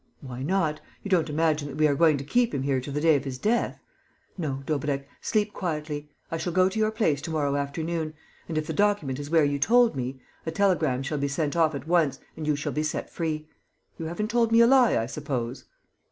"Why not? You don't imagine that we are going to keep him here to the day of his death? No, Daubrecq, sleep quietly. I shall go to your place to morrow afternoon; and, if the document is where you told me, a telegram shall be sent off at once and you shall be set free. You haven't told me a lie, I suppose?"